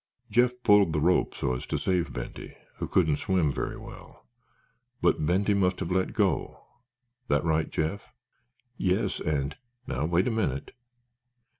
"Jeff pulled the rope so as to save Benty, who couldn't swim very well. But Benty must have let go. That right, Jeff?" "Yes, and—" "Now wait a minute."